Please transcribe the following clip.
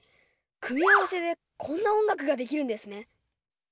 組み合わせでこんな音楽ができるんですね。